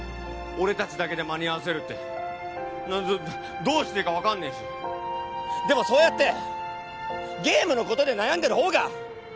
俺達だけで間に合わせるってどうしていいか分かんねーしでもそうやってゲームのことで悩んでるほうが！